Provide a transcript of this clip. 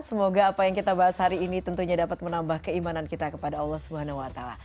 semoga apa yang kita bahas hari ini tentunya dapat menambah keimanan kita kepada allah swt